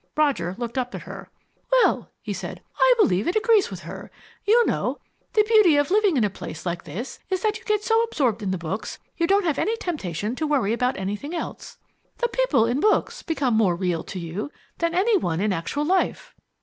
Roger looked up at her. "Well," he said, "I believe it agrees with her! You know, the beauty of living in a place like this is that you get so absorbed in the books you don't have any temptation to worry about anything else. The people in books become more real to you than any one in actual life."